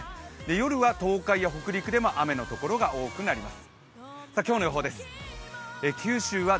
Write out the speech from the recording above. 夜は東海や北陸でも雨のところが多くなります。